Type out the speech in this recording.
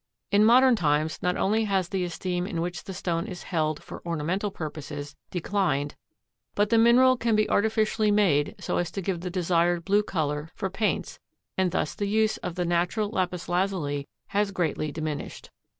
In modern times not only has the esteem in which the stone is held for ornamental purposes declined but the mineral can be artificially made so as to give the desired blue color for paints and thus the use of the natural lapis lazuli has greatly diminished.